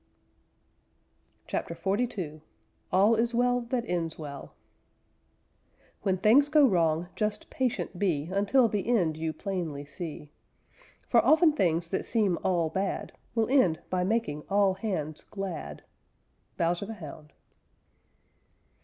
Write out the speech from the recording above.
CHAPTER XLII ALL IS WELL THAT ENDS WELL When things go wrong, just patient be Until the end you plainly see. For often things that seem all bad Will end by making all hands glad. _Bowser the Hound.